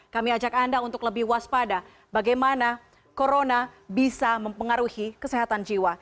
kami ajak anda untuk lebih waspada bagaimana corona bisa mempengaruhi kesehatan jiwa